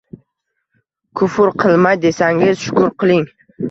Kufr qilmay desangiz, shukr qiling.